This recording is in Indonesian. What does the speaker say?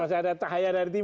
masih ada cahaya dari tiga